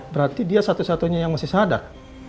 berarti dia satu satunya yang masih sadar